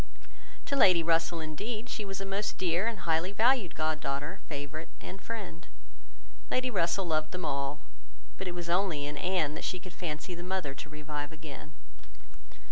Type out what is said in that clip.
To Lady Russell, indeed, she was a most dear and highly valued god daughter, favourite, and friend. Lady Russell loved them all; but it was only in Anne that she could fancy the mother to revive again.